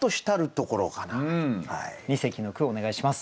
二席の句お願いします。